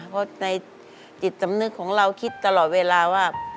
เพราะในจิตสำนึกของเราคิดตลอดเวลาว่า